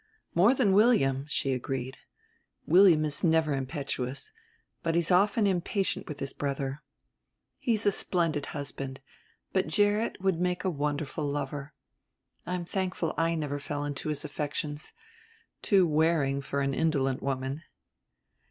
"More than William," she agreed. "William is never impetuous, and he's often impatient with his brother. He's a splendid husband, but Gerrit would make a wonderful lover. I'm thankful I never fell into his affections ... too wearing for an indolent woman."